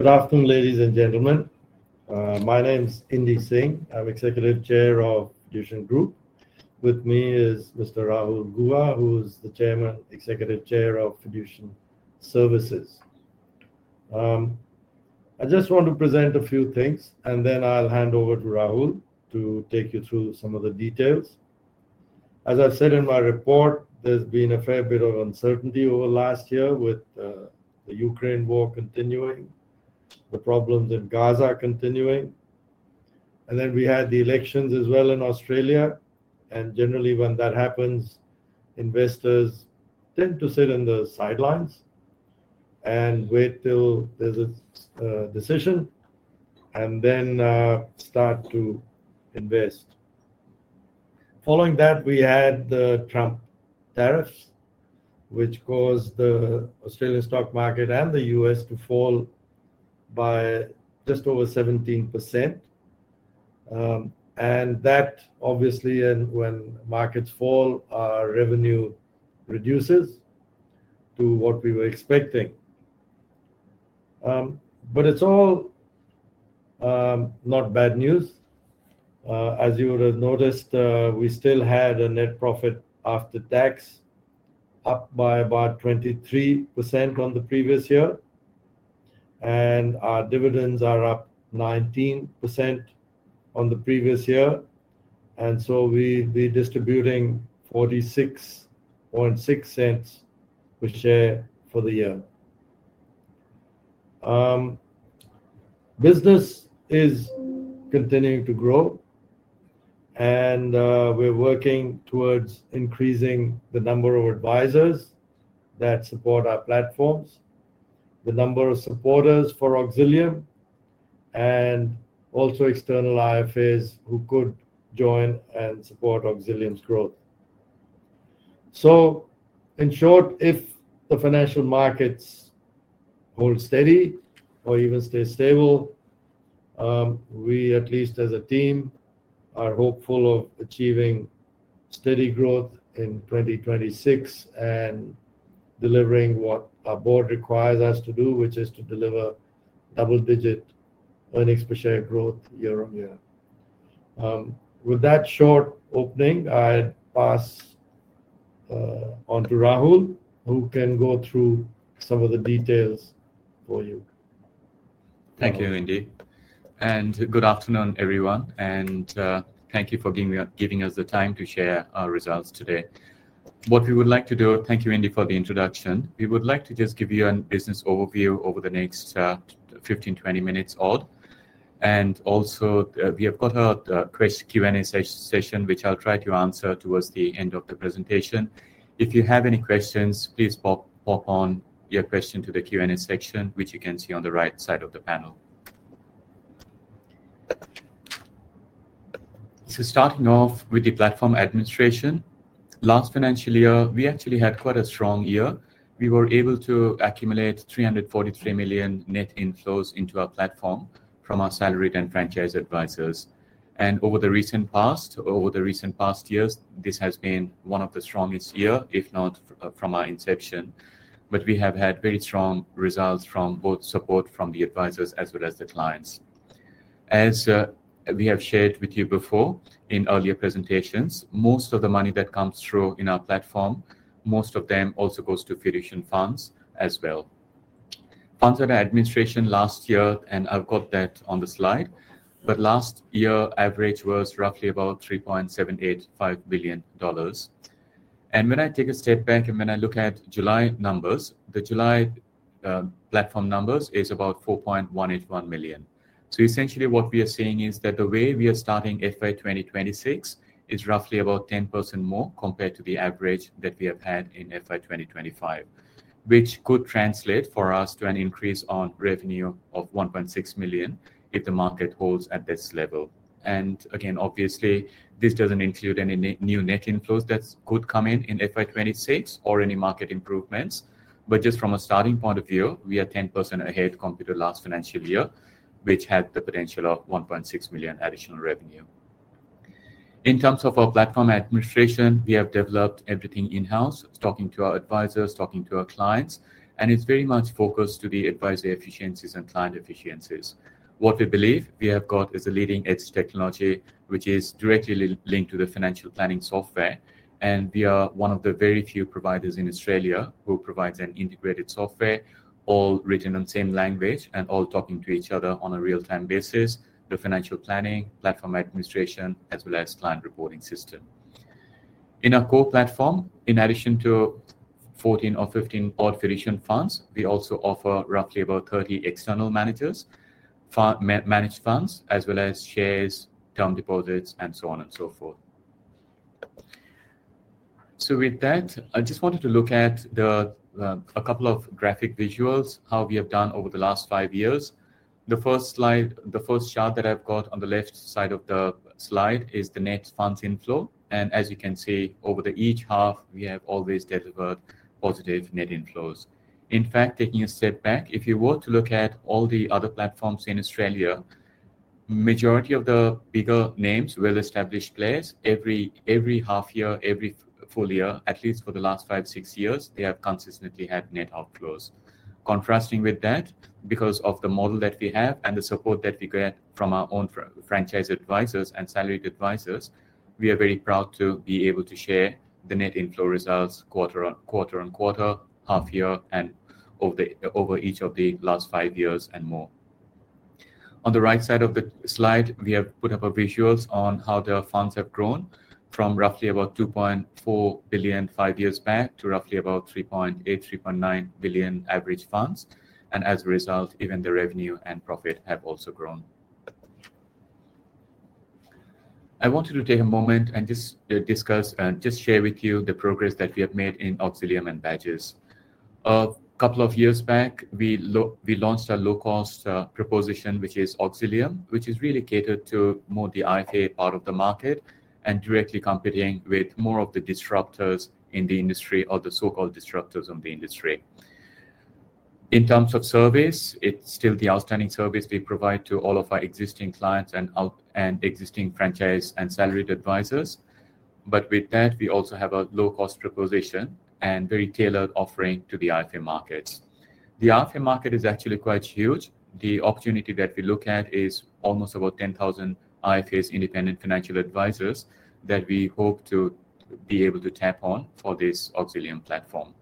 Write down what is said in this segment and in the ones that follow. Good afternoon, ladies and gentlemen. My name is Indy Singh. I'm Executive Chair of Fiducian Group. With me is Mr. Rahul Guha, who is the Executive Chair of Fiducian Services. I just want to present a few things, and then I'll hand over to Rahul to take you through some of the details. As I've said in my report, there's been a fair bit of uncertainty over the last year with the Ukraine war continuing, the problems in Gaza continuing, and we had the elections as well in Australia. Generally, when that happens, investors tend to sit on the sidelines and wait till there's a decision and then start to invest. Following that, we had the Trump tariffs, which caused the Australian stock market and the U.S. to fall by just over 17%. That, obviously, when markets fall, our revenue reduces to what we were expecting. It's all not bad news. As you would have noticed, we still had a net profit after tax up by about 23% on the previous year, and our dividends are up 19% on the previous year. We'll be distributing 46.6/share for the year. Business is continuing to grow, and we're working towards increasing the number of advisors that support our platforms, the number of supporters for Auxilium, and also external IFAs who could join and support Auxilium's growth. In short, if the financial markets hold steady or even stay stable, we at least as a team are hopeful of achieving steady growth in 2026 and delivering what our board requires us to do, which is to deliver double-digit earnings per share growth year-on-year. With that short opening, I pass on to Rahul, who can go through some of the details for you. Thank you, Indy. Good afternoon, everyone, and thank you for giving us the time to share our results today. What we would like to do, thank you, Indy, for the introduction. We would like to just give you a business overview over the next 15-20 minutes. Also, we have got a Q&A session, which I'll try to answer towards the end of the presentation. If you have any questions, please pop your question into the Q&A section, which you can see on the right side of the panel. Starting off with the platform administration, last financial year, we actually had quite a strong year. We were able to accumulate 343 million net inflows into our platform from our salaried and franchised advisors. Over the recent past years, this has been one of the strongest years, if not from our inception. We have had very strong results from both support from the advisors as well as the clients. As we have shared with you before in earlier presentations, most of the money that comes through in our platform, most of it also goes to Fiducian funds as well. Under the administration last year, and I've got that on the slide, last year's average was roughly about 3.785 billion dollars. When I take a step back and look at July numbers, the July platform numbers is about 4.181 million. Essentially, what we are saying is that the way we are starting FY 2026 is roughly about 10% more compared to the average that we have had in FY 2025, which could translate for us to an increase on revenue of 1.6 million if the market holds at this level. Obviously, this doesn't include any new net inflows that could come in in FY 2026 or any market improvements. Just from a starting point of view, we are 10% ahead compared to last financial year, which has the potential of 1.6 million additional revenue. In terms of our platform administration, we have developed everything in-house, talking to our advisors, talking to our clients, and it's very much focused on the advisory efficiencies and client efficiencies. What we believe we have got is a leading-edge technology, which is directly linked to the financial planning software. We are one of the very few providers in Australia who provides an integrated software, all written in the same language and all talking to each other on a real-time basis: the financial planning, platform administration, as well as client reporting system. In our core platform, in addition to 14 or 15-odd Fiducian funds, we also offer roughly about 30 external managed funds, as well as shares, term deposits, and so on and so forth. With that, I just wanted to look at a couple of graphic visuals, how we have done over the last five years. The first slide, the first chart that I've got on the left side of the slide is the net funds inflow. As you can see, over each half, we have always delivered positive net inflows. In fact, taking a step back, if you were to look at all the other platforms in Australia, the majority of the bigger names, well-established players, every half year, every full year, at least for the last five-six years, they have consistently had net outflows. Contrasting with that, because of the model that we have and the support that we get from our own franchised advisors and salaried advisors, we are very proud to be able to share the net inflow results quarter-on-quarter, half year, and over each of the last five years and more. On the right side of the slide, we have put up visuals on how the funds have grown from roughly about 2.4 billion five years back to roughly about 3.8 billion, 3.9 billion average funds. As a result, even the revenue and profit have also grown. I wanted to take a moment and just discuss and just share with you the progress that we have made in Auxilium and Badges. A couple of years back, we launched a low-cost proposition, which is Auxilium, which is really catered to more the IFA part of the market and directly competing with more of the disruptors in the industry or the so-called disruptors in the industry. In terms of service, it's still the outstanding service we provide to all of our existing clients and existing franchised and salaried advisors. With that, we also have a low-cost proposition and very tailored offering to the IFA markets. The IFA market is actually quite huge. The opportunity that we look at is almost about 10,000 IFAs, Independent Financial Advisors, that we hope to be able to tap-on for this Auxilium platform.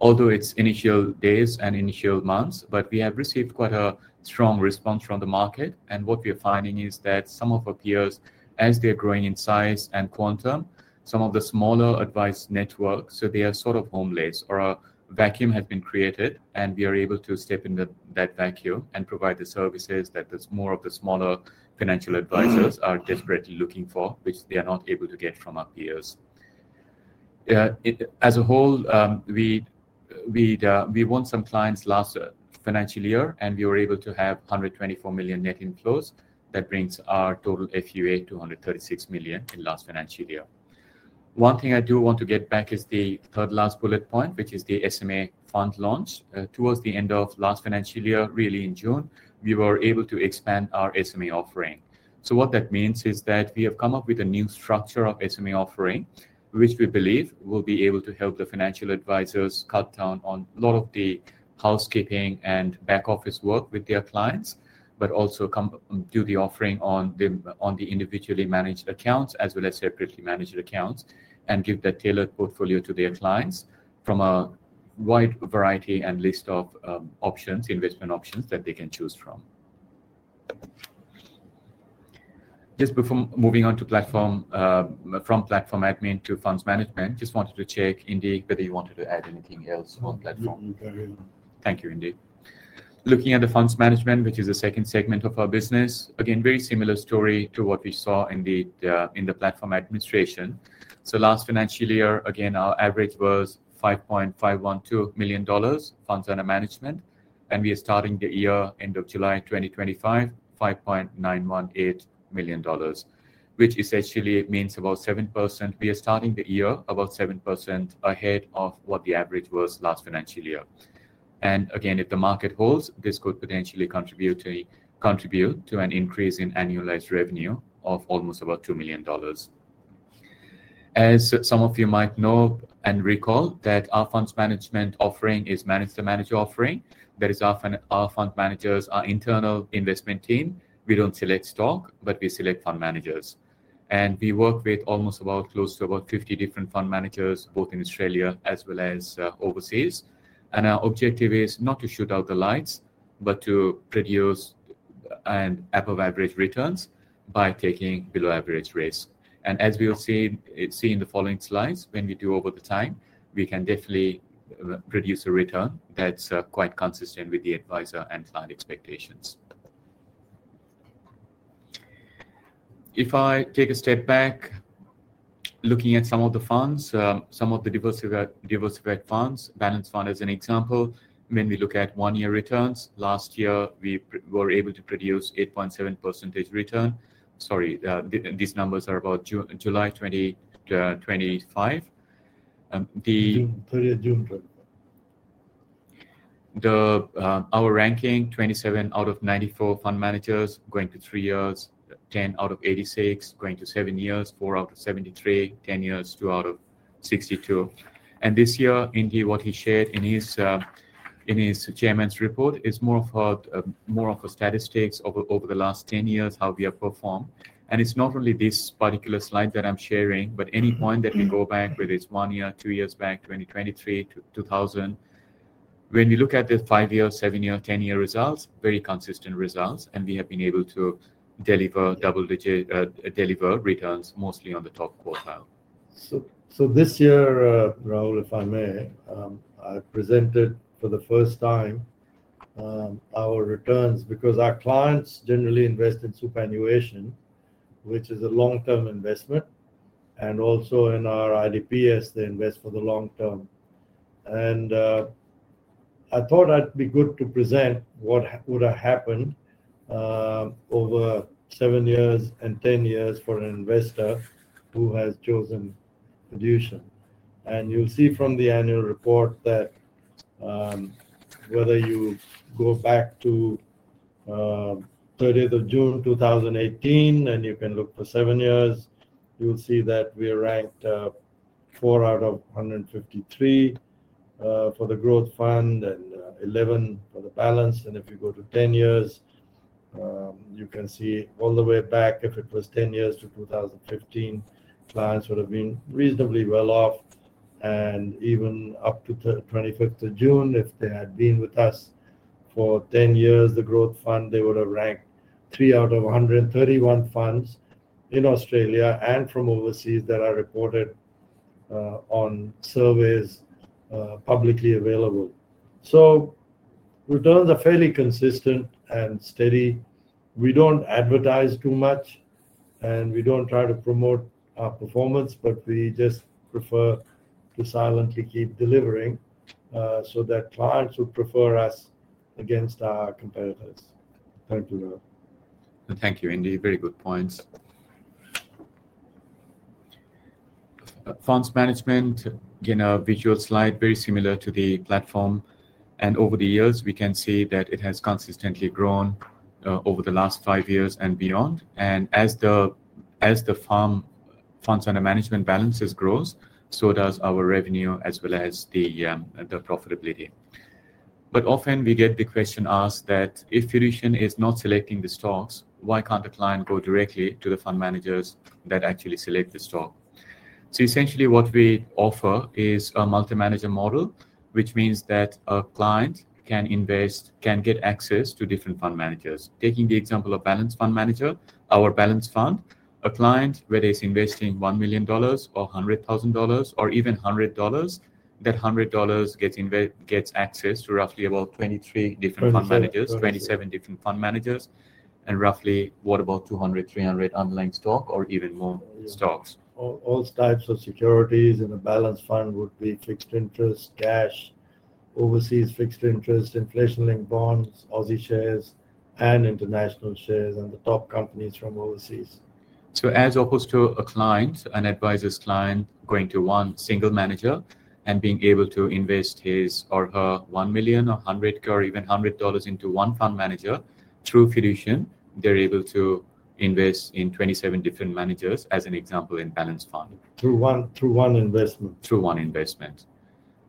Although it's initial days and initial months, we have received quite a strong response from the market. What we are finding is that some of our peers, as they're growing in size and quantum, some of the smaller advice networks, so they are sort of homeless or a vacuum has been created, and we are able to step into that vacuum and provide the services that more of the smaller financial advisors are desperately looking for, which they are not able to get from our peers. As a whole, we won some clients last financial year, and we were able to have 124 million net inflows. That brings our total FUA to 136 million in last financial year. One thing I do want to get back is the third last bullet point, which is the SME fund launch. Towards the end of last financial year, really in June, we were able to expand our SME offering. What that means is that we have come up with a new structure of SME offering, which we believe will be able to help the financial advisors cut down on a lot of the housekeeping and back office work with their clients, but also do the offering on the individually managed accounts as well as separately managed accounts and give that tailored portfolio to their clients from a wide variety and list of options, investment options that they can choose from. Just before moving on to platform, from platform admin to funds management, just wanted to check, Indy, whether you wanted to add anything else on platform. No, thank you, Rahul. Thank you, Indy. Looking at the funds management, which is the second segment of our business, again, very similar story to what we saw in the platform administration. Last financial year, again, our average was 5.512 million dollars funds under management, and we are starting the year, end of July 2025, 5.918 million dollars, which essentially means about 7%. We are starting the year about 7% ahead of what the average was last financial year. If the market holds, this could potentially contribute to an increase in annualized revenue of almost about 2 million dollars. As some of you might know and recall, our funds management offering is managed-to-manager offering. That is, our fund managers are an internal investment team. We don't select stock, but we select fund managers. We work with almost about close to about 50 different fund managers, both in Australia as well as overseas. Our objective is not to shoot out the lights, but to produce above-average returns by taking below-average risk. As we'll see in the following slides, when we do over the time, we can definitely produce a return that's quite consistent with the advisor and client expectations. If I take a step back, looking at some of the funds, some of the diversified funds, balanced fund as an example, when we look at one-year returns, last year we were able to produce 8.7% return. Sorry, these numbers are about July 2025. 30th June. Our ranking, 27 out of 94 fund managers going to three years, 10 out of 86 going to seven years, four out of 73, 10 years, two out of 62. This year, Indy, what he shared in his Chairman's report is more of a statistic over the last 10 years, how we have performed. It's not only this particular slide that I'm sharing, but any point that we go back, whether it's one year, two years back, 2023, to 2000, when we look at the five-year, seven-year, ten-year results, very consistent results, and we have been able to deliver double-digit returns mostly on the top quartile. This year, Rahul, if I may, I presented for the first time our returns because our clients generally invest in superannuation, which is a long-term investment, and also in our IDP as they invest for the long term. I thought it'd be good to present what would have happened over seven years and 10 years for an investor who has chosen Fiducian. You'll see from the annual report that whether you go back to June 30, 2018, and you can look for seven years, we're at four out of 153 for the growth fund and 11 for the balance. If you go to 10 years, you can see all the way back, if it was ten years to 2015, clients would have been reasonably well off. Even up to June 25, if they had been with us for 10 years, the growth fund would have ranked three out of 131 funds in Australia and from overseas that are recorded on surveys publicly available. Returns are fairly consistent and steady. We don't advertise too much, and we don't try to promote our performance, but we just prefer to silently keep delivering so that clients would prefer us against our competitors. Thank you, Indy. Very good p3oints. Funds management, again, a visual slide, very similar to the platform. Over the years, we can see that it has consistently grown over the last five years and beyond. As the funds under management balances grow, so does our revenue as well as the profitability. We often get the question asked that if Fiducian is not selecting the stocks, why can't the client go directly to the fund managers that actually select the stock? Essentially, what we offer is a Multi-Manager model, which means that a client can invest, can get access to different fund managers. Taking the example of balanced fund manager, our balanced fund, a client, whether it's investing 1 million dollars or 100,000 dollars or even 100 dollars, that 100 dollars gets access to roughly about 23 different fund managers, 27 different fund managers, and roughly about 200, 300 unlinked stock or even more stocks. All types of securities in the balanced fund would be fixed interest, cash, overseas fixed interest, inflation and bonds, Aussie shares, international shares, and the top companies from overseas. As opposed to a client, an advisor's client going to one single manager and being able to invest his or her 1 million or 100 or even 100 dollars into one fund manager through Fiducian, they're able to invest in 27 different managers, as an example, in balanced fund. Through one investment. Through one investment.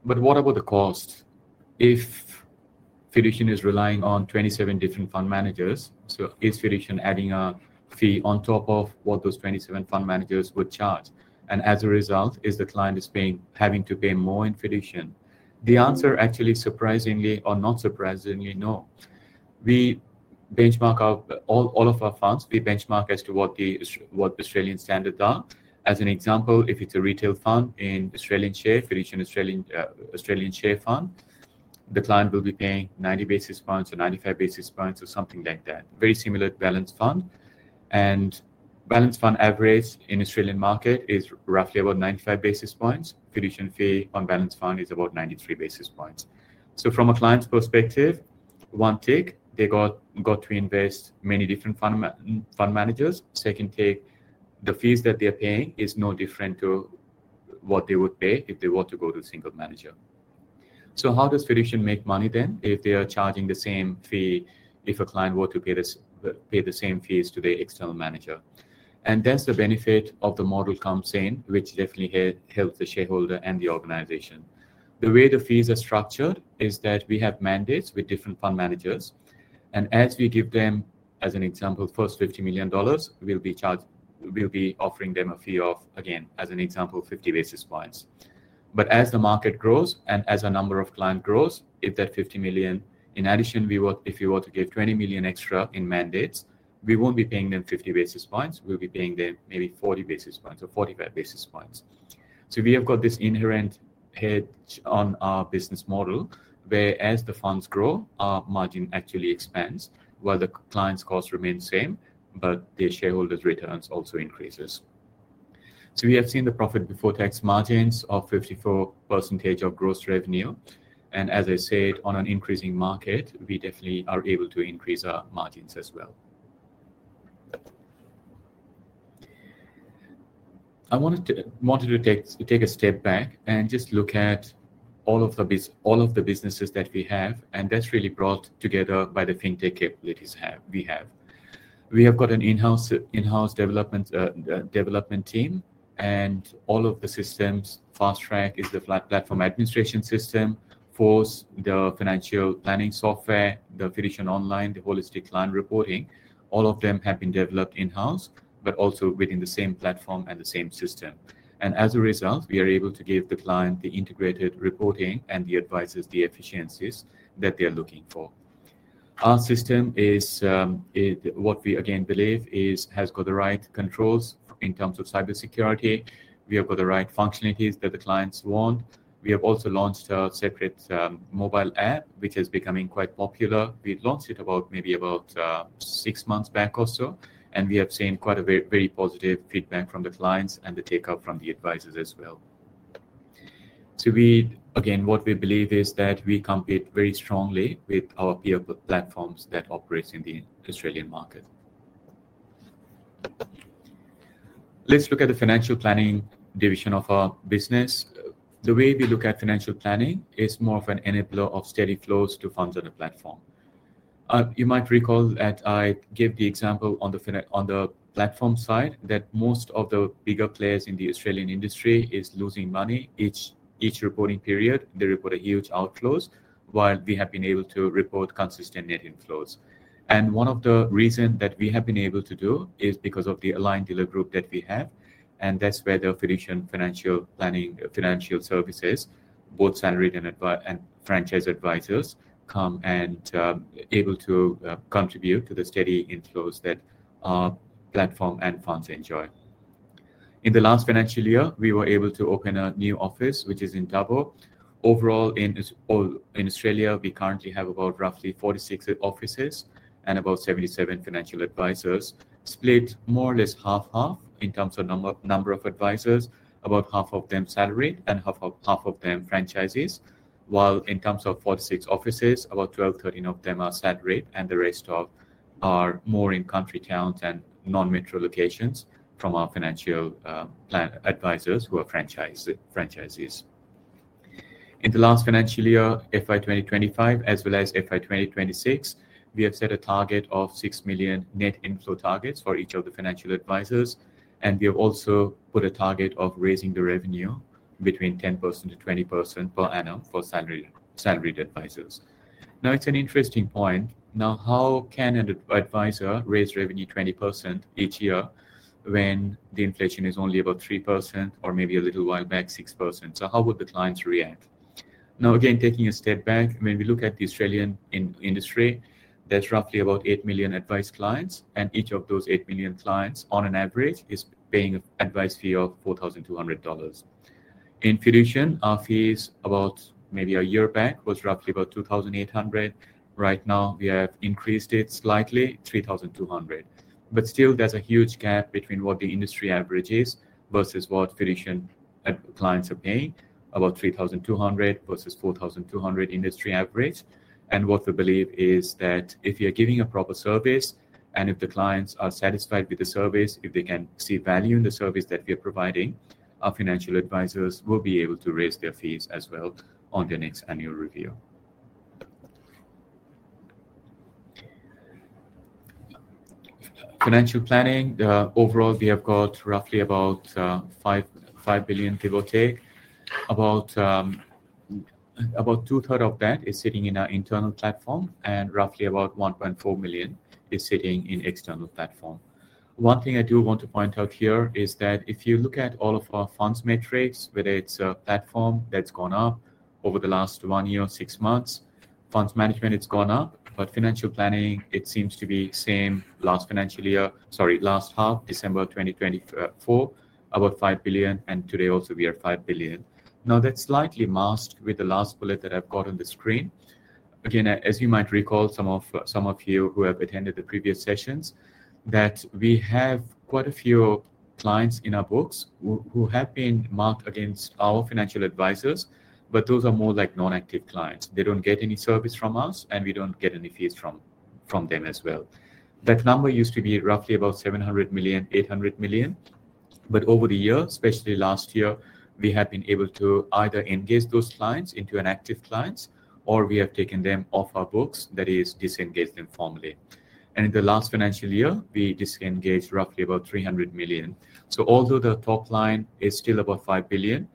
What about the cost? If Fiducian is relying on 27 different fund managers, is Fiducian adding a fee on top of what those 27 fund managers would charge? As a result, is the client having to pay more in Fiducian? The answer actually, surprisingly or not surprisingly, is not. We benchmark all of our funds. We benchmark as to what the Australian standards are. As an example, if it's a retail fund in Australian share, Fiducian Australian share fund, the client will be paying 90 basis points or 95 basis points or something like that. Very similar to balanced fund. Balanced fund average in the Australian market is roughly about 95 basis points. Fiducian fee on balanced fund is about 93 basis points. From a client's perspective, one tick, they get to invest in many different fund managers. Second tick, the fees that they're paying are no different to what they would pay if they were to go to a single manager. How does Fiducian make money then if they are charging the same fee if a client were to pay the same fees to the external manager? That's the benefit of the model, which definitely helps the shareholder and the organization. The way the fees are structured is that we have mandates with different fund managers. As we give them, as an example, first 50 million dollars, we'll be offering them a fee of, again, as an example, 50 basis points. As the market grows and as the number of clients grows, if that 50 million in addition, if we were to give 20 million extra in mandates, we won't be paying them 50 basis points. We'll be paying them maybe 40 basis points or 45 basis points. We have got this inherent hedge on our business model where as the funds grow, our margin actually expands, while the client's cost remains the same, but the shareholders' returns also increase. We have seen the profit before tax margins of 54% of gross revenue. As I said, on an increasing market, we definitely are able to increase our margins as well. I wanted to take a step back and just look at all of the businesses that we have, and that's really brought together by the fintech capabilities we have. We have got an in-house development team, and all of the systems, FastTrack is the platform administration system, FORCe, the financial planning software, the Fiducian Online, the holistic client reporting, all of them have been developed in-house, but also within the same platform and the same system. As a result, we are able to give the client the integrated reporting and the advisors the efficiencies that they're looking for. Our system is what we again believe has got the right controls in terms of cybersecurity. We have got the right functionalities that the clients want. We have also launched a separate mobile app, which is becoming quite popular. We launched it about six months back or so, and we have seen quite a very positive feedback from the clients and the take-up from the advisors as well. What we believe is that we compete very strongly with our peer platforms that operate in the Australian market. Let's look at the financial planning division of our business. The way we look at financial planning is more of an enabler of steady flows to funds on the platform. You might recall that I gave the example on the platform side that most of the bigger players in the Australian industry are losing money. Each reporting period, they report huge outflows, while we have been able to report consistent net inflows. One of the reasons that we have been able to do this is because of the aligned dealer group that we have, and that's where the Fiducian financial planning, financial services, both salaried and franchised advisors come and are able to contribute to the steady inflows that our platform and funds enjoy. In the last financial year, we were able to open a new office, which is in Dover. Overall, in Australia, we currently have about 46 offices and about 77 financial advisors, split more or less half-half in terms of number of advisors, about half of them salaried and half of them franchises, while in terms of 46 offices, about 12-13 of them are salaried and the rest are more in country towns and non-metro locations from our financial plan advisors who are franchises. In the last financial year, FY 2025 as well as FY 2026, we have set a target of 6 million net inflow targets for each of the financial advisors, and we have also put a target of raising the revenue between 10%-20%/annum for salaried advisors. It's an interesting point. How can an advisor raise revenue 20% each year when the inflation is only about 3% or maybe a little while back 6%? How would the clients react? Taking a step back, when we look at the Australian industry, there's roughly about 8 million advice clients, and each of those 8 million clients on an average is paying an advice fee of 4,200 dollars. In Fiducian, our fees about maybe a year back were roughly about 2,800. Right now, we have increased it slightly to 3,200. There is still a huge gap between what the industry average is versus what Fiducian clients are paying, about 3,200 versus 4,200 industry average. What we believe is that if you're giving a proper service and if the clients are satisfied with the service, if they can see value in the service that we are providing, our financial advisors will be able to raise their fees as well on their next annual review. Financial planning, overall, we have got roughly about 5 billion D/E. About two-thirds of that is sitting in our internal platform, and roughly about 1.4 million is sitting in the external platform. One thing I do want to point out here is that if you look at all of our funds metrics, whether it's a platform that's gone up over the last one year or six months, funds management has gone up, but financial planning, it seems to be the same last financial year, sorry, last half, December 2024, about 5 billion, and today also we are 5 billion. Now, that's slightly masked with the last bullet that I've got on the screen. Again, as you might recall, some of you who have attended the previous sessions, we have quite a few clients in our books who have been marked against our financial advisors, but those are more like non-active clients. They don't get any service from us, and we don't get any fees from them as well. That number used to be roughly about 700 million, 800 million, but over the years, especially last year, we have been able to either engage those clients into active clients, or we have taken them off our books, that is, disengaged them formally. In the last financial year, we disengaged roughly about 300 million. Although the top line is still about 5 billion,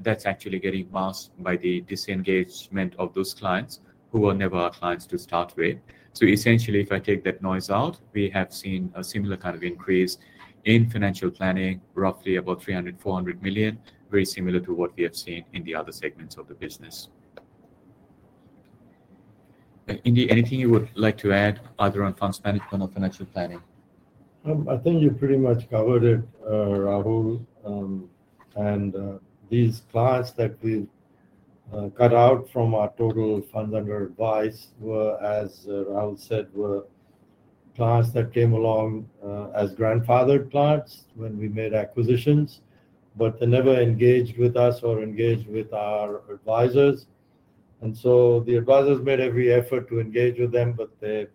that's actually getting masked by the disengagement of those clients who were never our clients to start with. Essentially, if I take that noise out, we have seen a similar kind of increase in financial planning, roughly about 300 million, 400 million, very similar to what we have seen in the other segments of the business. Indy, anything you would like to add either on funds management or financial planning? I think you've pretty much covered it, Rahul. These clients that we cut out from our total funds under advice were, as Rahul said, clients that came along as grandfathered clients when we made acquisitions, but they never engaged with us or engaged with our advisors. The advisors made every effort to engage with them, but they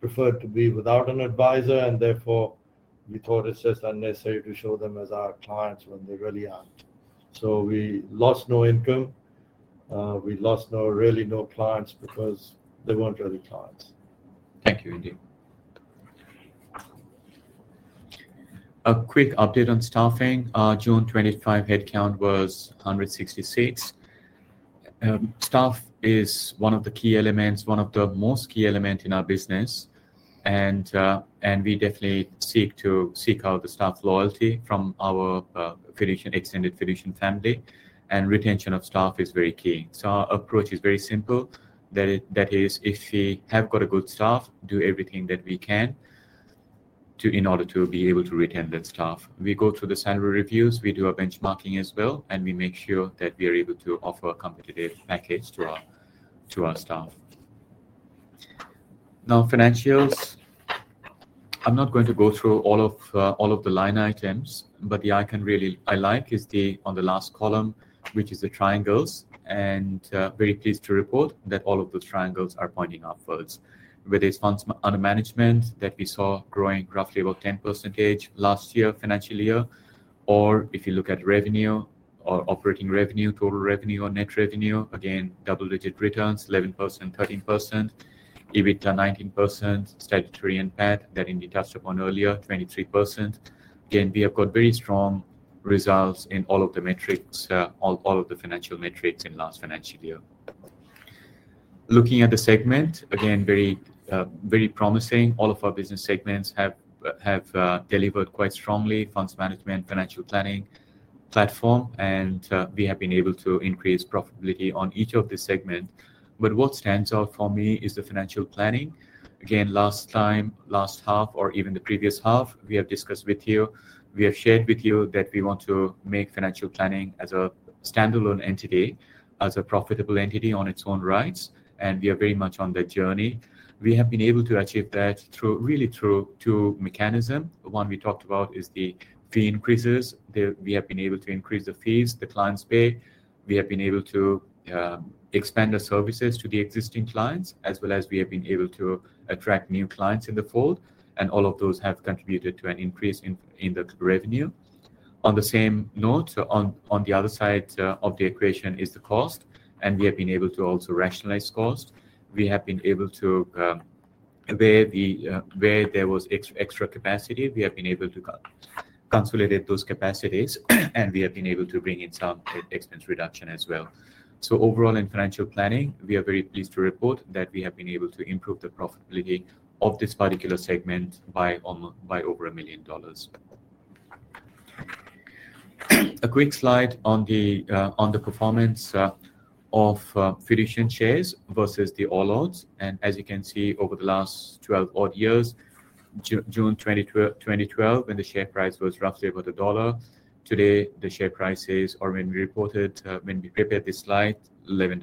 preferred to be without an advisor, and therefore we thought it's just unnecessary to show them as our clients when they really aren't. We lost no income. We lost really no clients because they weren't really clients. Thank you, Indy. A quick update on staffing. Our June 2025 headcount was 166. Staff is one of the key elements, one of the most key elements in our business. We definitely seek out the staff loyalty from our extended Fiducian family, and retention of staff is very key. Our approach is very simple. That is, if we have got good staff, do everything that we can in order to be able to retain that staff. We go through the salary reviews, we do our benchmarking as well, and we make sure that we are able to offer a competitive package to our staff. Now, financials, I'm not going to go through all of the line items, but the icon I really like is on the last column, which is the triangles. I'm very pleased to report that all of the triangles are pointing upwards. Whether it's funds under management that we saw growing roughly about 10% last financial year, or if you look at revenue or operating revenue, total revenue or net revenue, again, double-digit returns, 11%, 13%. EBITDA 19%, statutory impact that Indy touched upon earlier, 23%. We have got very strong results in all of the metrics, all of the financial metrics in the last financial year. Looking at the segment, again, very, very promising. All of our business segments have delivered quite strongly: funds management, financial planning, platform, and we have been able to increase profitability on each of the segments. What stands out for me is the financial planning. Last time, last half, or even the previous half, we have discussed with you, we have shared with you that we want to make financial planning as a stand-alone entity, as a profitable entity on its own rights, and we are very much on that journey. We have been able to achieve that through really two mechanisms. The one we talked about is the fee increases. We have been able to increase the fees the clients pay. We have been able to expand the services to the existing clients, as well as we have been able to attract new clients in the fold, and all of those have contributed to an increase in the revenue. On the same note, on the other side of the equation is the cost, and we have been able to also rationalize cost. We have been able to, where there was extra capacity, consolidate those capacities, and we have been able to bring in some expense reduction as well. Overall, in financial planning, we are very pleased to report that we have been able to improve the profitability of this particular segment by over 1 million dollars. A quick slide on the performance of Fiducian shares versus the All Ords. As you can see, over the last 12-odd years, June 2012, when the share price was roughly about AUD 1, today the share prices are, when we reported, when we prepared this slide, 11.41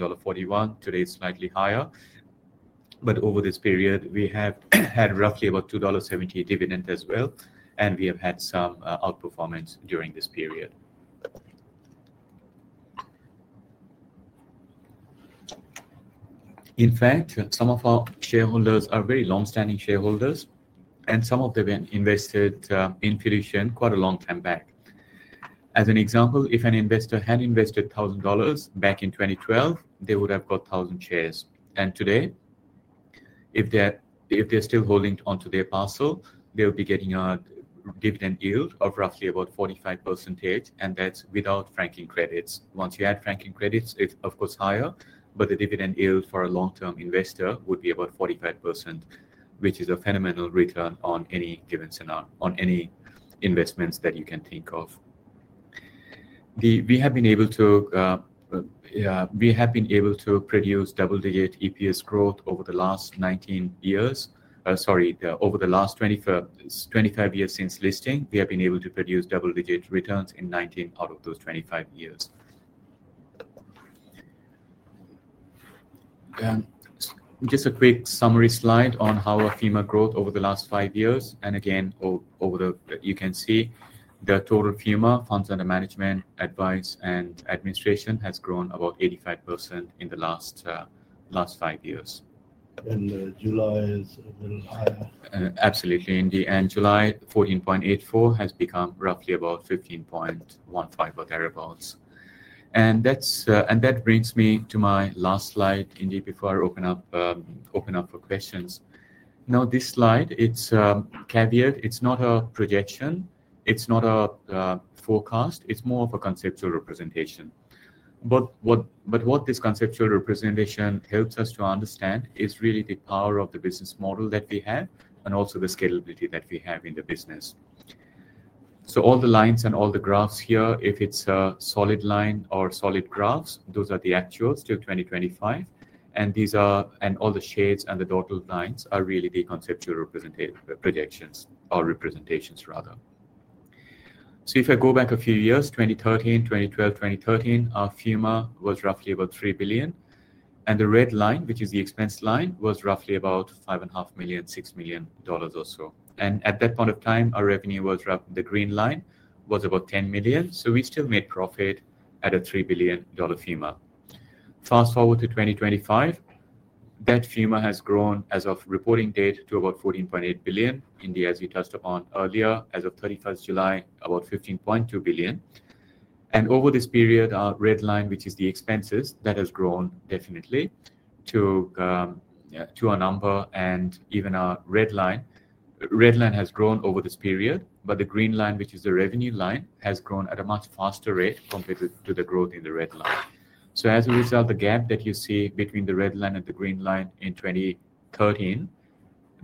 dollar. Today it's slightly higher. Over this period, we have had roughly about 2.70 dollar dividend as well, and we have had some outperformance during this period. In fact, some of our shareholders are very long-standing shareholders, and some of them invested in Fiducian quite a long time back. As an example, if an investor had invested 1,000 dollars back in 2012, they would have got 1,000 shares. Today, if they're still holding onto their parcel, they'll be getting a dividend yield of roughly about 45%, and that's without franking credits. Once you add franking credits, it's of course higher, but the dividend yield for a long-term investor would be about 45%, which is a phenomenal return on any given scenario, on any investments that you can think of. We have been able to produce double-digit EPS growth over the last 19 years. Sorry, over the last 25 years since listing, we have been able to produce double-digit returns in 19 out of those 25 years. A quick summary slide on how our FUMAA growth over the last five years. Again, you can see the total FUMAA, funds under management, advice, and administration has grown about 85% in the last five years. July is higher. Absolutely, Indy. July 14.84 billion has become roughly about 15.15 billion, about thereabouts. That brings me to my last slide, Indy, before I open up for questions. This slide is caveated. It's not a projection. It's not a forecast. It's more of a conceptual representation. What this conceptual representation helps us to understand is really the power of the business model that we have and also the scalability that we have in the business. All the lines and all the graphs here, if it's a solid line or solid graphs, those are the actuals to 2025. All the shades and the dotted lines are really the conceptual projections or representations, rather. If I go back a few years, 2012, 2013, our FUMAA was roughly about 3 billion. The red line, which is the expense line, was roughly about 5.5 million, 6 million dollars or so. At that point of time, our revenue was the green line, was about 10 million. We still made profit at a 3 billion dollar FUMAA. Fast forward to 2025, that FUMAA has grown as of reporting date to about 14.8 billion. Indy, as you touched upon earlier, as of 31st July, about 15.2 billion. Over this period, our red line, which is the expenses, that has grown definitely to a number. Even our red line has grown over this period, but the green line, which is the revenue line, has grown at a much faster rate compared to the growth in the red line. As a result, the gap that you see between the red line and the green line in 2013,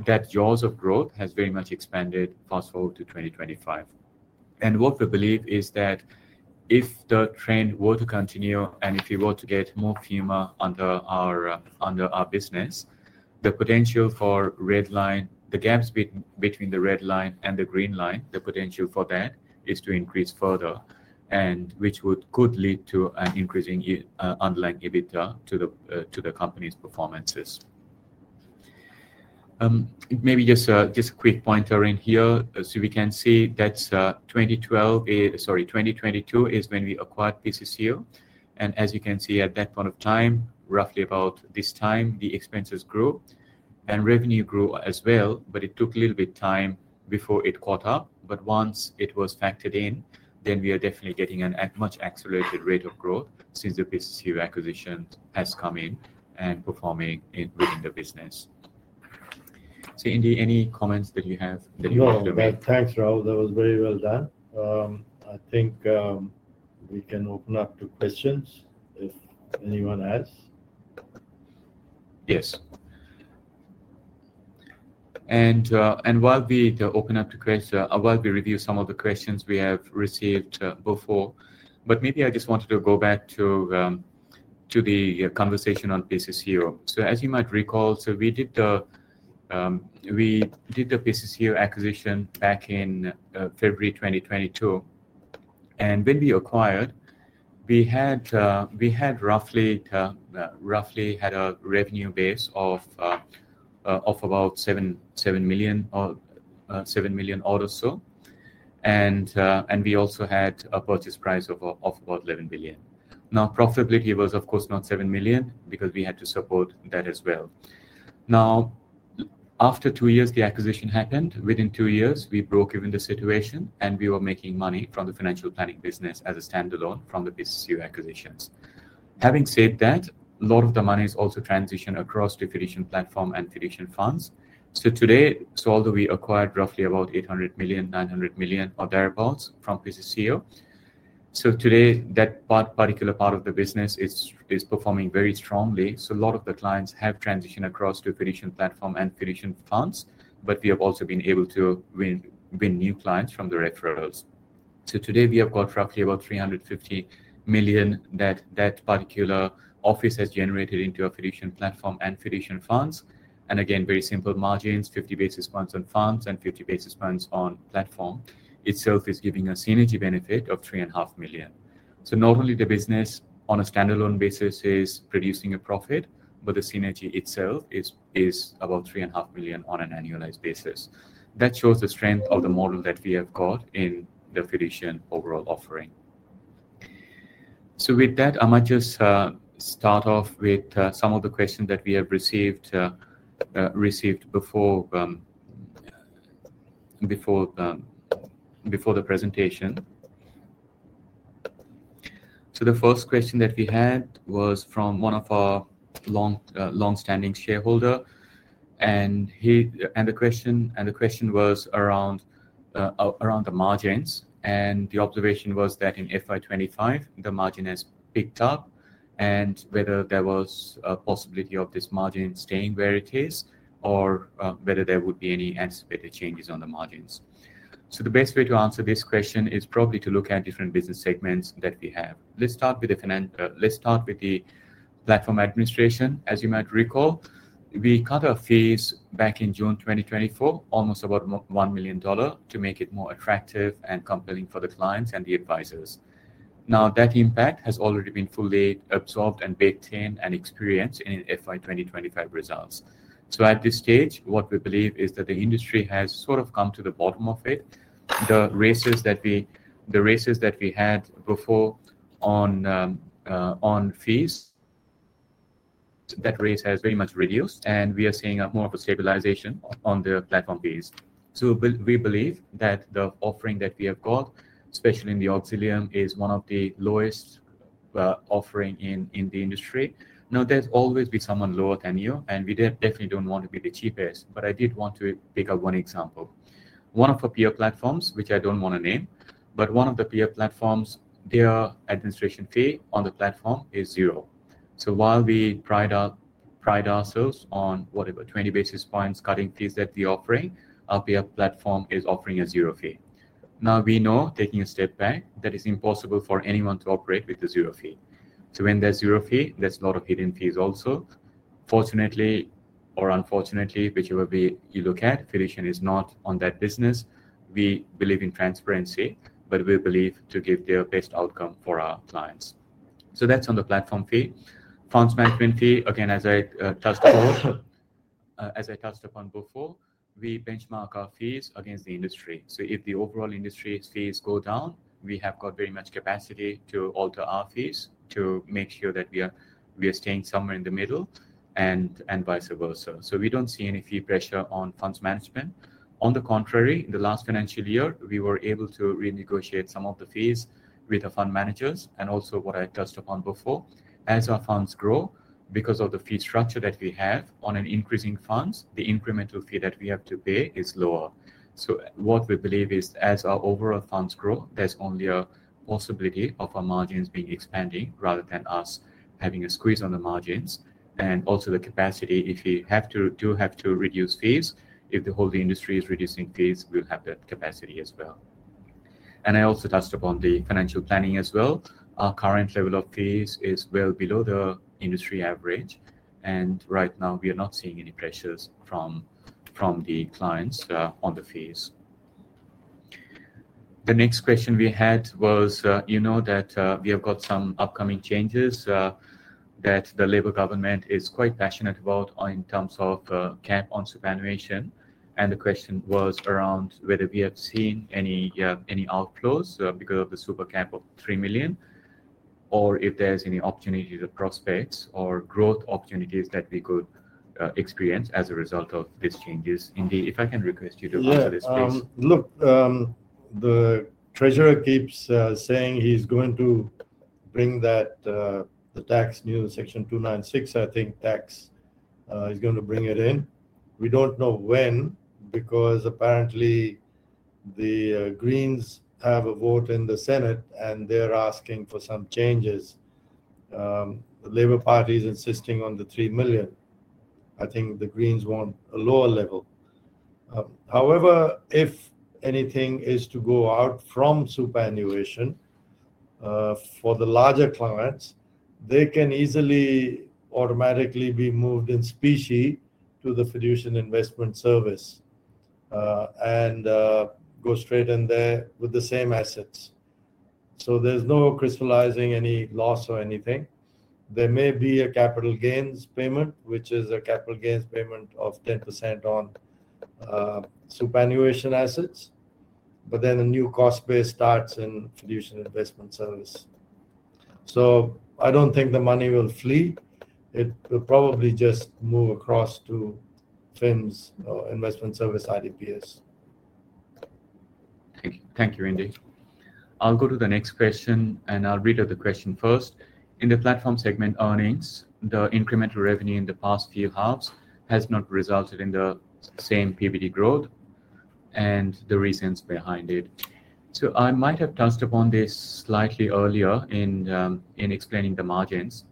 that jaws of growth has very much expanded fast forward to 2025. What we believe is that if the trend were to continue and if we were to get more FUMAA under our business, the potential for the gap between the red line and the green line is to increase further, which could lead to an increasing underlying EBITDA to the company's performances. Maybe just a quick pointer in here. We can see that 2022 is when we acquired PCCU. As you can see at that point of time, roughly about this time, the expenses grew and revenue grew as well, but it took a little bit of time before it caught up. Once it was factored in, then we are definitely getting a much accelerated rate of growth since the PCCU acquisition has come in and is performing within the business. Indy, any comments that you have? No, thanks, Rahul. That was very well done. I think we can open up to questions if anyone has. Yes. While we open up to questions, while we review some of the questions we have received before, maybe I just wanted to go back to the conversation on PCCU. As you might recall, we did the PCCU acquisition back in February 2022. When we acquired, we had roughly a revenue base of about 7 million, 7 million odd or so. We also had a purchase price of about 11 million. Now, profitability was of course not 7 million because we had to support that as well. After two years, the acquisition happened. Within two years, we broke even the situation and we were making money from the financial planning business as a stand-alone from the PCCU acquisitions. Having said that, a lot of the money has also transitioned across to Fiducian platform and Fiducian funds. Today, although we acquired roughly about 800 million, 900 million or thereabouts from PCCU, today that particular part of the business is performing very strongly. A lot of the clients have transitioned across to Fiducian platform and Fiducian funds, but we have also been able to win new clients from the referrals. Today we have got roughly about 350 million that that particular office has generated into a Fiducian platform and Fiducian funds. Again, very simple margins, 50 basis points on funds and 50 basis points on platform itself is giving us an energy benefit of 3.5 million. Not only the business on a stand-alone basis is producing a profit, but the synergy itself is about 3.5 million on an annualized basis. That shows the strength of the model that we have got in the Fiducian overall offering. With that, I might just start off with some of the questions that we have received before the presentation. The first question that we had was from one of our longstanding shareholders. The question was around the margins. The observation was that in FY 2025, the margin has picked up and whether there was a possibility of this margin staying where it is or whether there would be any anticipated changes on the margins. The best way to answer this question is probably to look at different business segments that we have. Let's start with the platform administration. As you might recall, we cut our fees back in June 2024, almost about 1 million dollar to make it more attractive and compelling for the clients and the advisors. That impact has already been fully absorbed and baked in and experienced in FY 2025 results. At this stage, what we believe is that the industry has sort of come to the bottom of it. The races that we had before on fees, that race has very much reduced, and we are seeing more of a stabilization on the platform fees. We believe that the offering that we have got, especially in the Auxilium, is one of the lowest offerings in the industry. Now, there's always been someone lower than you, and we definitely don't want to be the cheapest, but I did want to pick up one example. One of our peer platforms, which I don't want to name, but one of the peer platforms, their administration fee on the platform is zero. While we pride ourselves on whatever, 20 basis points cutting fees that we are offering, our peer platform is offering a zero fee. We know, taking a step back, that it's impossible for anyone to operate with a zero fee. When there's zero fee, there's a lot of hidden fees also. Fortunately, or unfortunately, whichever way you look at it, Fiducian is not on that business. We believe in transparency, but we believe to give the best outcome for our clients. That's on the platform fee. Funds management fee, again, as I touched upon before, we benchmark our fees against the industry. If the overall industry fees go down, we have got very much capacity to alter our fees to make sure that we are staying somewhere in the middle and vice versa. We don't see any fee pressure on funds management. On the contrary, in the last financial year, we were able to renegotiate some of the fees with the fund managers and also what I touched upon before. As our funds grow, because of the fee structure that we have on increasing funds, the incremental fee that we have to pay is lower. What we believe is, as our overall funds grow, there's only a possibility of our margins being expanding rather than us having a squeeze on the margins. Also, the capacity, if we do have to reduce fees, if the whole industry is reducing fees, we'll have that capacity as well. I also touched upon the financial planning as well. Our current level of fees is well below the industry average. Right now, we are not seeing any pressures from the clients on the fees. The next question we had was, you know that we have got some upcoming changes that the Labor Government is quite passionate about in terms of cap on superannuation. The question was around whether we have seen any outflows because of the super cap of 3 million or if there's any opportunity to prospect or growth opportunities that we could experience as a result of these changes. Indy, if I can request you to answer this, please. Look, the Treasurer keeps saying he's going to bring that tax, new Section 296. I think tax is going to bring it in. We don't know when because apparently the Greens have a vote in the Senate, and they're asking for some changes. The Labor Party is insisting on the 3 million. I think the Greens want a lower level. However, if anything is to go out from superannuation for the larger clients, they can easily automatically be moved in specie to the Fiducian Investment Service and go straight in there with the same assets. There's no crystallizing any loss or anything. There may be a capital gains payment, which is a capital gains payment of 10% on superannuation assets, but then a new cost base starts in Fiducian Investment Service. I don't think the money will flee. It will probably just move across to FIMS or Investment Service IDPS. Thank you, Indy. I'll go to the next question and I'll read out the question first. In the platform segment earnings, the incremental revenue in the past few halves has not resulted in the same PBD growth and the reasons behind it. I might have touched upon this slightly earlier in explaining the margins.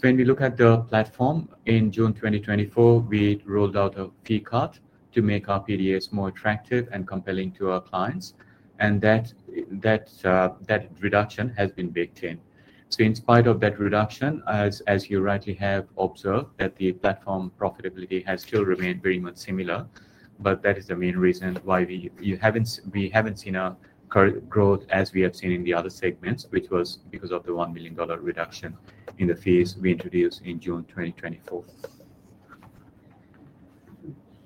When we look at the platform in June 2024, we rolled out a fee cut to make our PDs more attractive and compelling to our clients, and that reduction has been baked in. In spite of that reduction, as you rightly have observed, the platform profitability has still remained very much similar. That is the main reason why we haven't seen a growth as we have seen in the other segments, which was because of the 1 million dollar reduction in the fees we introduced in June 2024.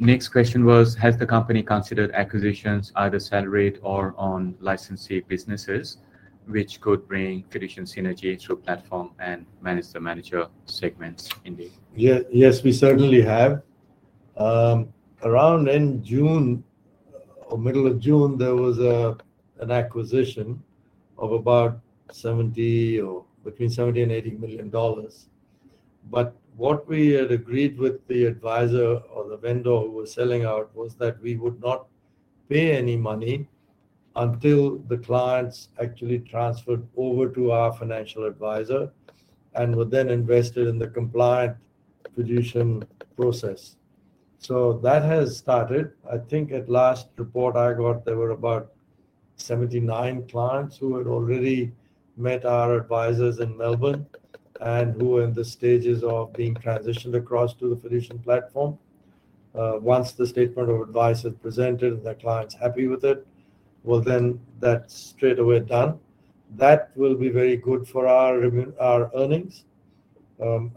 Next question was, has the company considered acquisitions either salaried or on licensee businesses, which could bring traditional synergy through platform and manager segments, Indy? Yes, we certainly have. Around in June or middle of June, there was an acquisition of about 70 million or between 70 million and 80 million dollars. What we had agreed with the advisor or the vendor who was selling out was that we would not pay any money until the clients actually transferred over to our financial advisor and were then invested in the compliant Fiducian process. That has started. I think at last report I got, there were about 79 clients who had already met our advisors in Melbourne and who were in the stages of being transitioned across to the Fiducian platform. Once the statement of advice is presented and the client's happy with it, that's straight away done. That will be very good for our earnings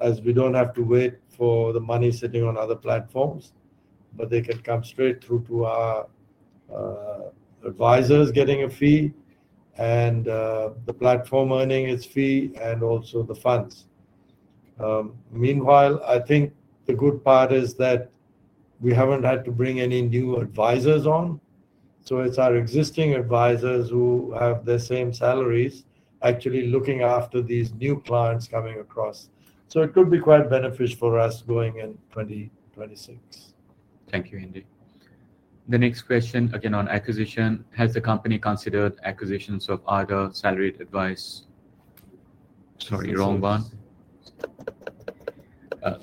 as we don't have to wait for the money sitting on other platforms, but they can come straight through to our advisors getting a fee and the platform earning its fee and also the funds. Meanwhile, I think the good part is that we haven't had to bring any new advisors on. It's our existing advisors who have the same salaries actually looking after these new clients coming across. It could be quite beneficial for us going in 2026. Thank you, Indy. The next question, again on acquisition, has the company considered acquisitions of other salaried advice? Sorry, wrong one.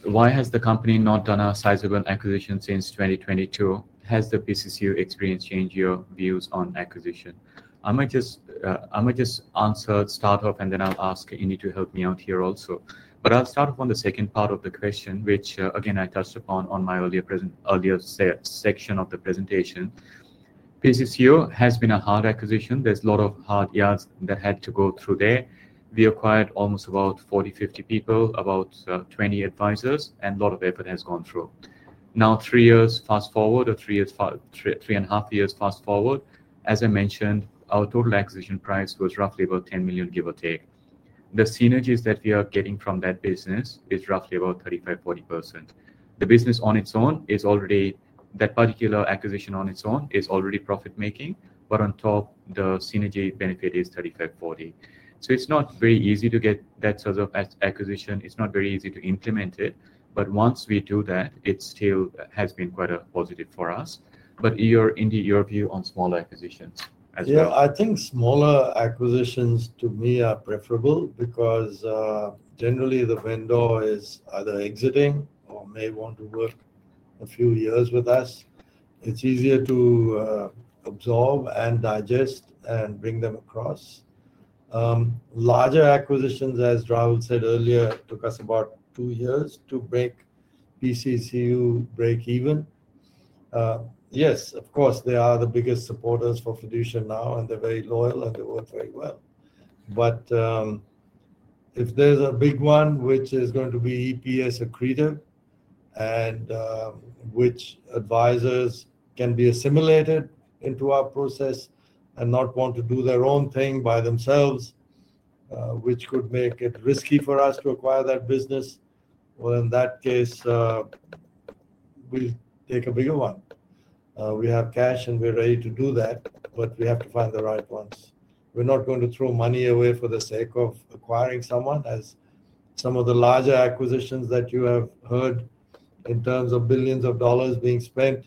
Why has the company not done a sizable acquisition since 2022? Has the PCCU experience changed your views on acquisition? I might just answer startup and then I'll ask Indy to help me out here also. I'll start up on the second part of the question, which again I touched upon in my earlier section of the presentation. PCCU has been a hard acquisition. There's a lot of hard yards that had to go through there. We acquired almost about 40, 50 people, about 20 advisors, and a lot of effort has gone through. Now, three years fast forward or three years, three and a half years fast forward, as I mentioned, our total acquisition price was roughly about 10 million, give or take. The synergies that we are getting from that business is roughly about 35, 40%. The business on its own is already, that particular acquisition on its own is already profit-making, but on top, the synergy benefit is 35, 40%. It's not very easy to get that sort of acquisition. It's not very easy to implement it. Once we do that, it still has been quite a positive for us. Indy, your view on smaller acquisitions as well? Yeah, I think smaller acquisitions to me are preferable because generally the vendor is either exiting or may want to work a few years with us. It's easier to absorb and digest and bring them across. Larger acquisitions, as Rahul said earlier, took us about two years to break PCCU break-even. Yes, of course, they are the biggest supporters for Fiducian now and they're very loyal and they work very well. If there's a big one, which is going to be EPS accretive and which advisors can be assimilated into our process and not want to do their own thing by themselves, which could make it risky for us to acquire that business, in that case, we'll take a bigger one. We have cash and we're ready to do that, but we have to find the right ones. We're not going to throw money away for the sake of acquiring someone, as some of the larger acquisitions that you have heard in terms of billions of dollars being spent,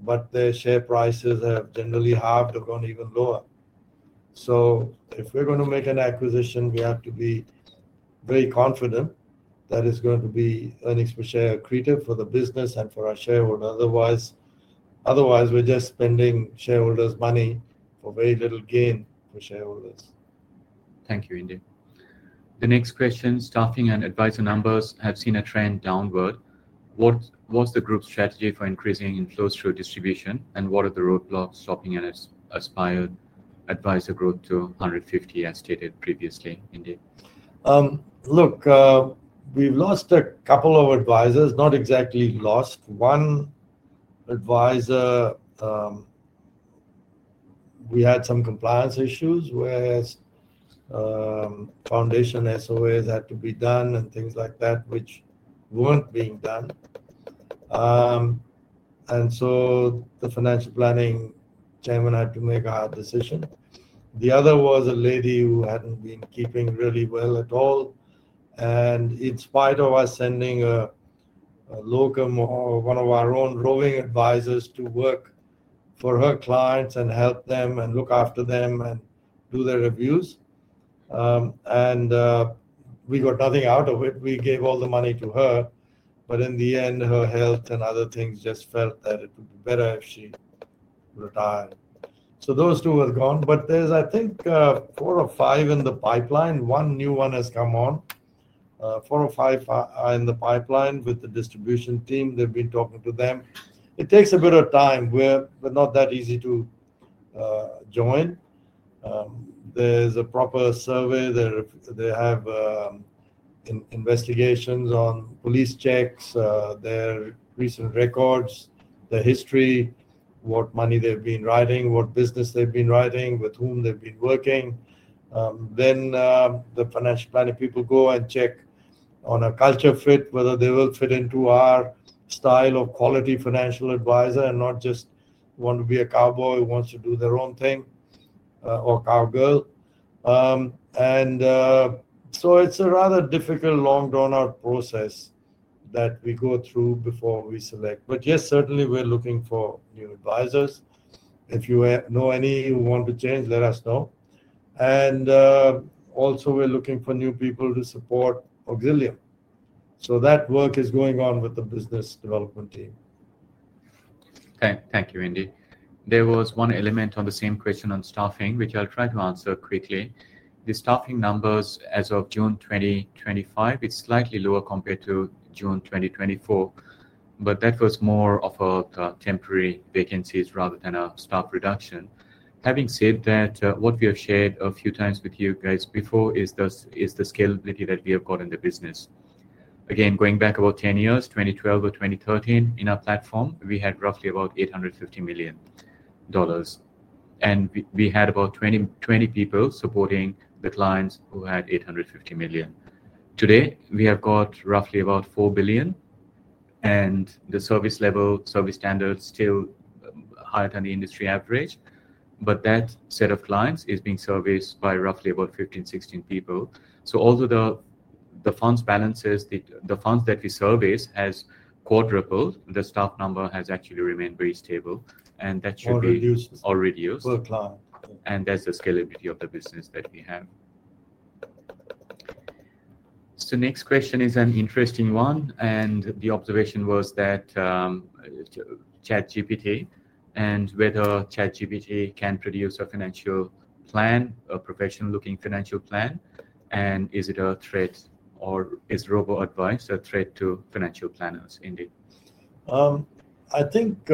but their share prices have generally halved or gone even lower. If we're going to make an acquisition, we have to be very confident that it's going to be an exposure accretive for the business and for our shareholders. Otherwise, we're just spending shareholders' money for very little gain for shareholders. Thank you, Indy. The next question, staffing and advisor numbers have seen a trend downward. What was the group's strategy for increasing inflows through distribution, and what are the roadblocks stopping an inspired advisor growth to 150, as stated previously, Indy? Look, we've lost a couple of advisors, not exactly lost. One advisor, we had some compliance issues, whereas foundation SOAs had to be done and things like that, which weren't being done. The Financial Planning Chairman had to make a hard decision. The other was a lady who hadn't been keeping really well at all. In spite of us sending a locum or one of our own roving advisors to work for her clients and help them and look after them and do their reviews, we got nothing out of it. We gave all the money to her, but in the end, her health and other things just felt that it would be better if she retired. Those two are gone, but there's, I think, four or five in the pipeline. One new one has come on. Four or five are in the pipeline with the Distribution team. They've been talking to them. It takes a bit of time. We're not that easy to join. There's a proper survey. They have investigations on police checks, their recent records, their history, what money they've been writing, what business they've been writing, with whom they've been working. The Financial Planning people go and check on a culture fit, whether they will fit into our style of quality financial advisor and not just want to be a cowboy who wants to do their own thing or cowgirl. It's a rather difficult long-drawn-out process that we go through before we select. Yes, certainly we're looking for new advisors. If you know any who want to change, let us know. Also, we're looking for new people to support Auxilium. That work is going on with the Business Development team. Thank you, Indy. There was one element on the same question on staffing, which I'll try to answer quickly. The staffing numbers as of June 2025, it's slightly lower compared to June 2024, but that was more of temporary vacancies rather than a staff reduction. Having said that, what we have shared a few times with you guys before is the scalability that we have got in the business. Again, going back about 10 years, 2012 or 2013, in our platform, we had roughly about 850 million dollars. We had about 20 people supporting the clients who had 850 million. Today, we have got roughly about 4 billion, and the service level, service standards still higher than the industry average. That set of clients is being serviced by roughly about 15, 16 people. Although the funds balances, the funds that we service has quadrupled, the staff number has actually remained very stable. That should be all reduced. That's the scalability of the business that we have. The next question is an interesting one. The observation was that ChatGPT and whether ChatGPT can produce a financial plan, a professional-looking financial plan, and is it a threat or is robot advice a threat to financial planners, Indy? I think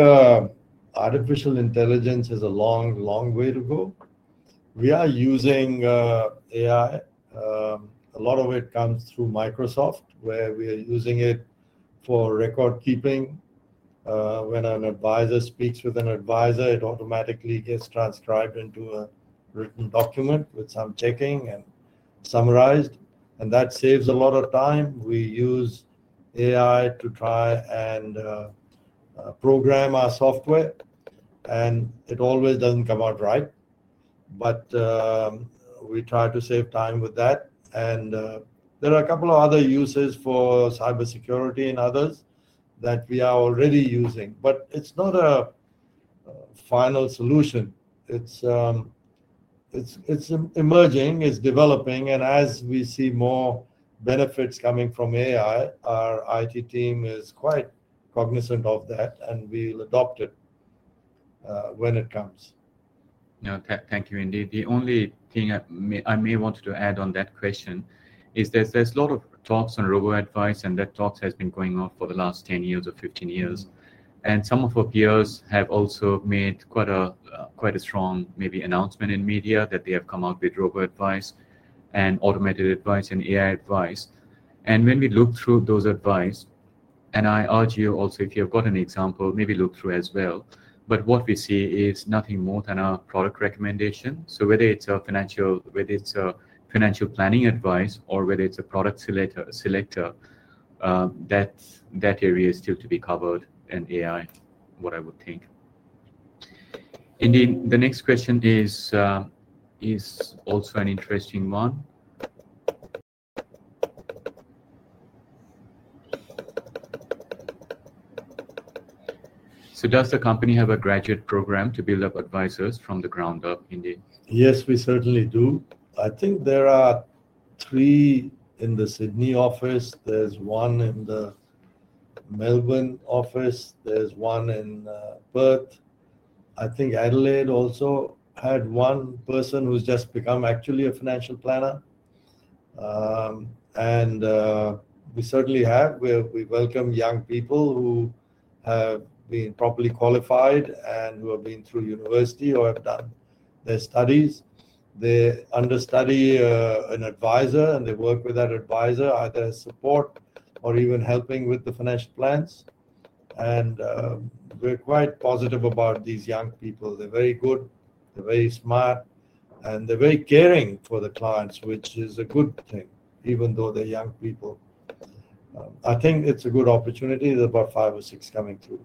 artificial intelligence has a long, long way to go. We are using AI. A lot of it comes through Microsoft, where we are using it for record keeping. When an advisor speaks with an advisor, it automatically gets transcribed into a written document with some checking and summarized. That saves a lot of time. We use AI to try and program our software, and it always doesn't come out right. We try to save time with that. There are a couple of other uses for cybersecurity and others that we are already using. It's not a final solution. It's emerging, it's developing, and as we see more benefits coming from AI, our IT team is quite cognizant of that, and we'll adopt it when it comes. Thank you, Indy. The only thing I may want to add on that question is that there's a lot of talk on robo advice, and that talk has been going on for the last 10 years or 15 years. Some of our peers have also made quite a strong, maybe announcement in media that they have come out with robo advice and automated advice and AI advice. When we look through those advice, and I urge you also, if you've got an example, maybe look through as well, what we see is nothing more than a product recommendation. Whether it's a financial planning advice or whether it's a product selector, that area is still to be covered in AI, what I would think. Indy, the next question is also an interesting one. Does the company have a graduate program to build up advisors from the ground up, Indy? Yes, we certainly do. I think there are three in the Sydney office. There's one in the Melbourne office. There's one in Perth. I think Adelaide also had one person who's just become actually a financial planner. We certainly have. We welcome young people who have been properly qualified and who have been through university or have done their studies. They understudy an advisor and they work with that advisor, either support or even helping with the financial plans. We're quite positive about these young people. They're very good. They're very smart. They're very caring for the clients, which is a good thing, even though they're young people. I think it's a good opportunity. There's about five or six coming through.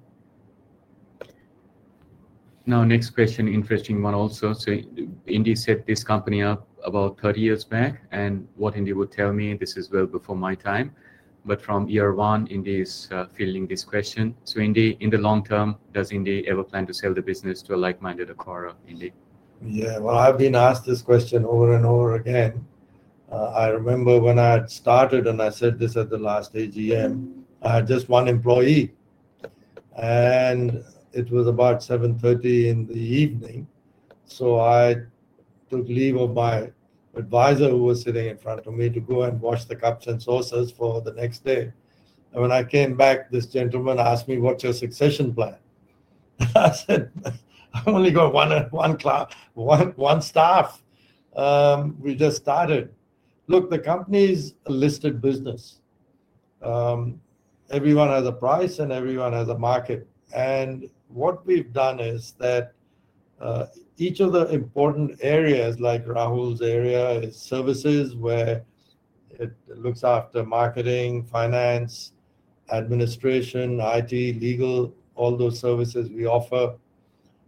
Now, next question, interesting one also. Indy set this company up about 30 years back. What Indy would tell me, this is well before my time, but from year one, Indy is fielding this question. In the long term, does Indy ever plan to sell the business to a like-minded acquirer? Yeah, I've been asked this question over-and-over again. I remember when I had started and I said this at the last AGM, I had just one employee. It was about 7:30 in the evening. I took leave of my advisor who was sitting in front of me to go and wash the cups and saucers for the next day. When I came back, this gentleman asked me, "What's your succession plan?" I said, "I only got one staff. We just started." The company's a listed business. Everyone has a price and everyone has a market. What we've done is that each of the important areas, like Rahul's area, is services where it looks after marketing, finance, administration, IT, legal, all those services we offer.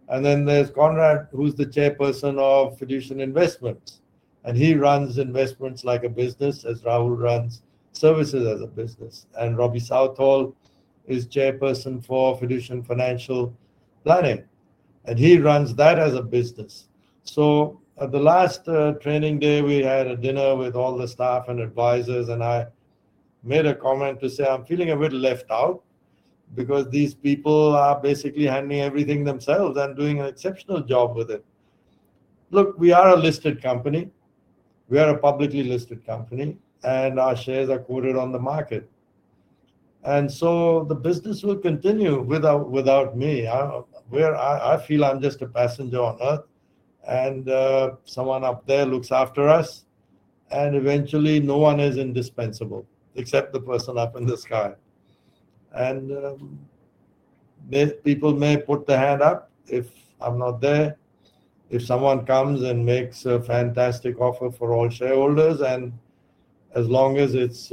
Then there's Conrad, who's the Chairperson of Fiducian Investment. He runs investments like a business, as Rahul runs Services as a business. Robby Southall is Chairperson for Fiducian Financial Planning. He runs that as a business. At the last training day, we had a dinner with all the staff and advisors, and I made a comment to say I'm feeling a bit left out because these people are basically handling everything themselves and doing an exceptional job with it. We are a listed company. We are a publicly listed company, and our shares are quoted on the market. The business will continue without me. I feel I'm just a passenger on earth, and someone up there looks after us. Eventually, no one is indispensable except the person up in the sky. People may put their hand up if I'm not there. If someone comes and makes a fantastic offer for all shareholders, and as long as it's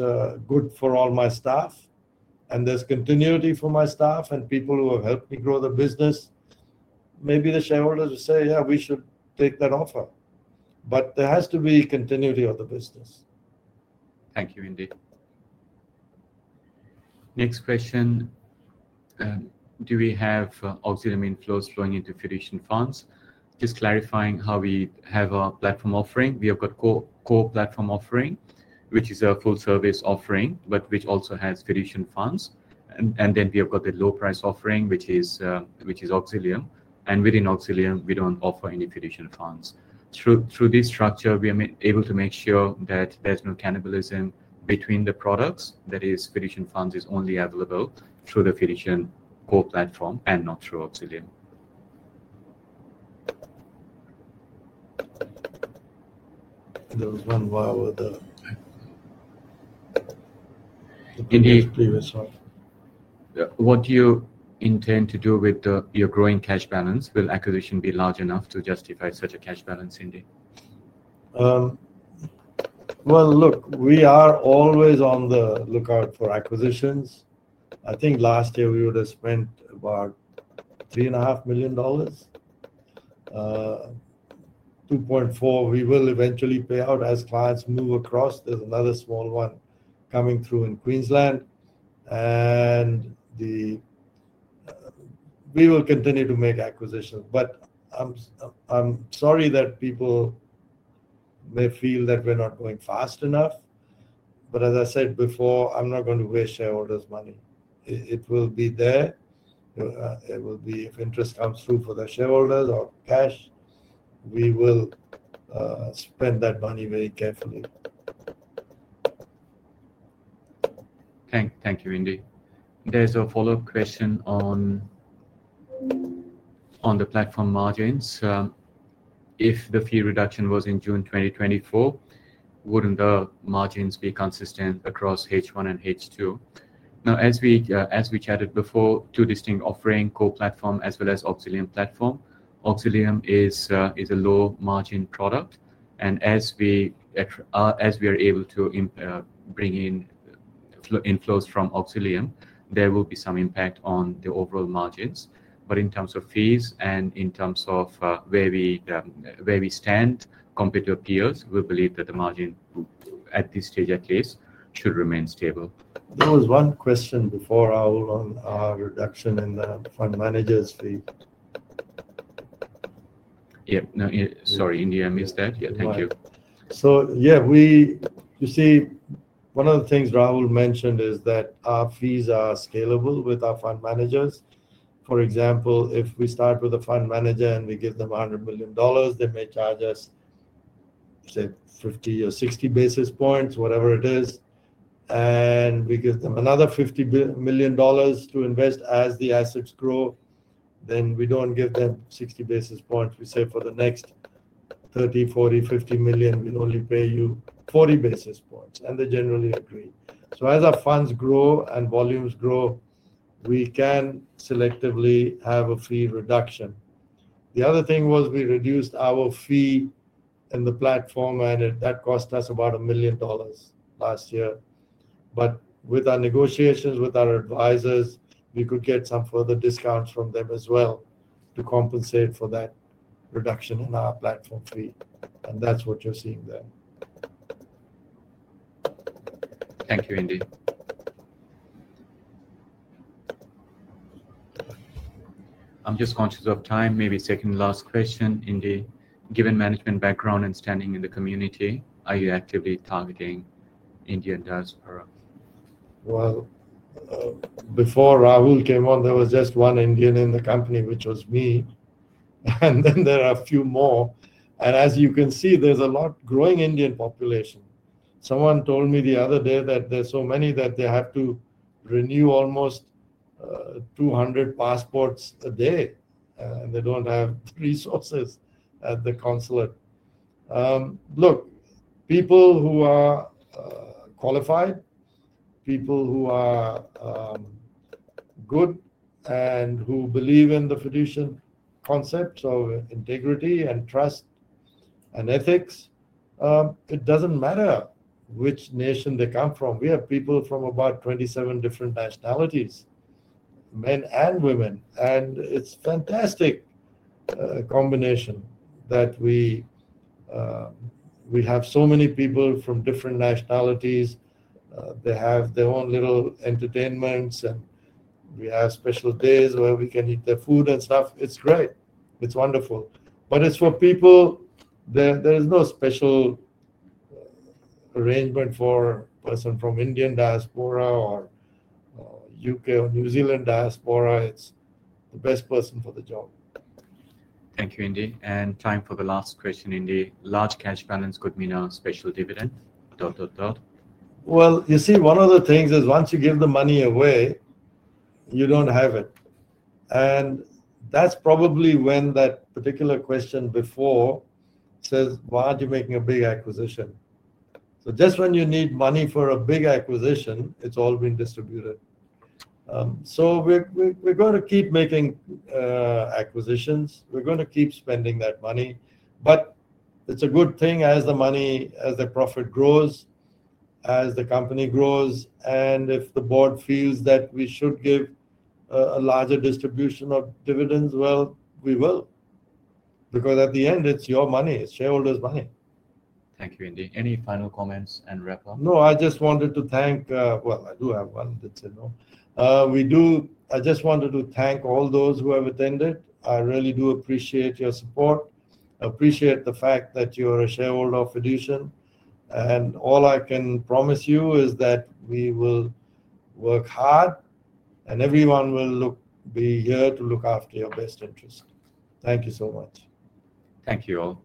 good for all my staff and there's continuity for my staff and people who have helped me grow the business, maybe the shareholders will say, "Yeah, we should take that offer." There has to be continuity of the business. Thank you, Indy. Next question, do we have Auxilium inflows flowing into Fiducian funds? Just clarifying how we have our platform offering. We have got core platform offering, which is a full-service offering, but which also has Fiducian funds. We have got the low-price offering, which is Auxilium. Within Auxilium, we don't offer any Fiducian funds. Through this structure, we are able to make sure that there's no cannibalism between the products. That is, Fiducian funds are only available through the Fiducian core platform and not through Auxilium. There was one with the previous one. Indy, what do you intend to do with your growing cash balance? Will acquisition be large enough to justify such a cash balance, Indy? We are always on the lookout for acquisitions. I think last year we would have spent about 3.5 million dollars. 2.4 million we will eventually pay out as clients move across. There's another small one coming through in Queensland. We will continue to make acquisitions. I'm sorry that people may feel that we're not going fast enough. As I said before, I'm not going to waste shareholders' money. It will be there. If interest comes through for the shareholders or cash, we will spend that money very carefully. Thank you, Indy. There's a follow-up question on the platform margins. If the fee reduction was in June 2024, wouldn't the margins be consistent across H1 and H2? Now, as we chatted before, two distinct offerings, core platform as well as Auxilium platform. Auxilium is a low-margin product. As we are able to bring in inflows from Auxilium, there will be some impact on the overall margins. In terms of fees and in terms of where we stand compared to peers, we believe that the margin at this stage at least should remain stable. There was one question before on our reduction in the fund managers' fee. Yeah, sorry, Indy, I missed that. Yeah, thank you. Yeah, you see, one of the things Rahul mentioned is that our fees are scalable with our fund managers. For example, if we start with a fund manager and we give them 100 million dollars, they may charge us, say, 50 or 60 basis points, whatever it is. If we give them another 50 million dollars to invest as the assets grow, we don't give them 60 basis points. We say for the next 30, 40, 50 million, we'll only pay you 40 basis points, and they generally agree. As our funds grow and volumes grow, we can selectively have a fee reduction. The other thing was we reduced our fee in the platform, and that cost us about 1 million dollars last year. With our negotiations with our advisors, we could get some further discounts from them as well to compensate for that reduction in our platform fee. That's what you're seeing there. Thank you, Indy. I'm just conscious of time, maybe second to last question, Indy. Given management background and standing in the community, are you actively targeting Indian dads? Before Rahul came on, there was just one Indian in the company, which was me. Then there are a few more. As you can see, there's a lot growing Indian population. Someone told me the other day that there's so many that they have to renew almost 200 passports a day, and they don't have resources at the consulate. Look, people who are qualified, people who are good and who believe in the Fiducian concept of integrity and trust and ethics, it doesn't matter which nation they come from. We have people from about 27 different nationalities, men and women. It's a fantastic combination that we have so many people from different nationalities. They have their own little entertainments, and we have special days where we can eat their food and stuff. It's great. It's wonderful. For people, there's no special arrangement for a person from Indian diaspora or U.K. or New Zealand diaspora. It's the best person for the job. Thank you, Indy. Time for the last question, Indy. Large cash balance could mean a special dividend? You see, one of the things is once you give the money away, you don't have it. That's probably when that particular question before says, "Why aren't you making a big acquisition?" Just when you need money for a big acquisition, it's all been distributed. We're going to keep making acquisitions. We're going to keep spending that money. It's a good thing as the money, as the profit grows, as the company grows, and if the board feels that we should give a larger distribution of dividends, we will. Because at the end, it's your money. It's shareholders' money. Thank you, Indy. Any final comments and wrap up? I just wanted to thank all those who have attended. I really do appreciate your support. I appreciate the fact that you're a shareholder of Fiducian. All I can promise you is that we will work hard and everyone will be here to look after your best interest. Thank you so much. Thank you, all.